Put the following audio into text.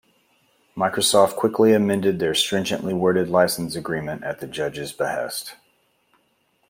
Microsoft quickly amended their stringently worded license agreement at the judge's behest.